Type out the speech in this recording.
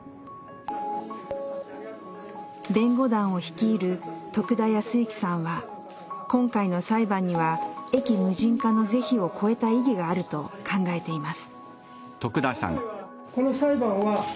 弁護団を率いる徳田靖之さんは今回の裁判には駅無人化の是非を超えた意義があると考えています。